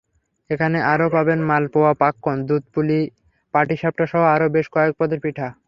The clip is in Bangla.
এখানে আরও পাবেন মালপোয়া, পাক্কন, দুধপুলি, পাটিসাপটাসহ আরও বেশ কয়েক পদের পিঠা।